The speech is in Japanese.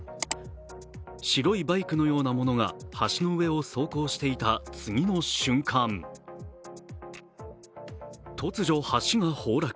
白いバイクのようなものが橋の上を走行していた次の瞬間、突如、橋が崩落。